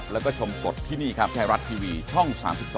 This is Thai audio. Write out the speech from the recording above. และก็ชมสดที่นี่ไทรรัชทีวีช่อง๓๒